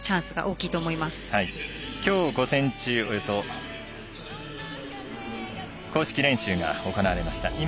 きょう午前中公式練習が行われました。